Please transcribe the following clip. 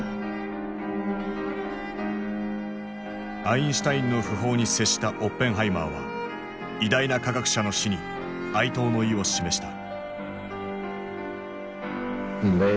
アインシュタインの訃報に接したオッペンハイマーは偉大な科学者の死に哀悼の意を示した。